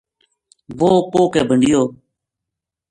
وہ کوہ کے بنڈیو